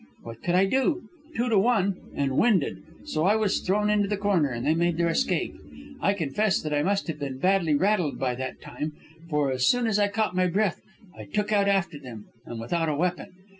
What could I do? Two to one, and winded! So I was thrown into the corner, and they made their escape. I confess that I must have been badly rattled by that time, for as soon as I caught my breath I took out after them, and without a weapon.